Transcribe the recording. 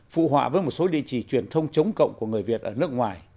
phụ họa với một số địa chỉ truyền thông chống cộng của người việt ở nước ngoài